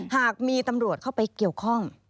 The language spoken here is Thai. หากมีตำรวจเข้าไปเกี่ยวข้อง